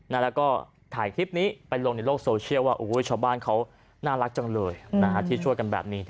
แล้วก็ถ่ายคลิปนี้ไปลงในโลกโซเชียลว่าชาวบ้านเขาน่ารักจังเลยที่ช่วยกันแบบนี้